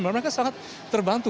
memang mereka sangat terbantu